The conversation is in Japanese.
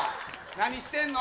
何してんの？